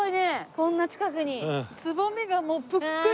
こんな近くに。